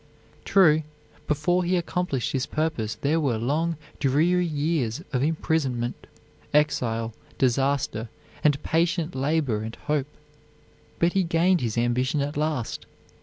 True, before he accomplished his purpose there were long, dreary years of imprisonment, exile, disaster, and patient labor and hope, but he gained his ambition at last.